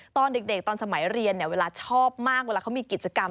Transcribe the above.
ตอนเด็กตอนสมัยเรียนเวลาชอบมากเวลาเขามีกิจกรรม